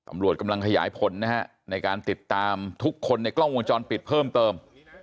ตำรวจกำลังขยายผลนะฮะในการติดตามทุกคนในกล้องวงจรปิดเพิ่มเติม